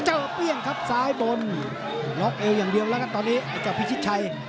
เปรี้ยงครับซ้ายบนล็อกเอวอย่างเดียวแล้วกันตอนนี้ไอ้เจ้าพิชิตชัย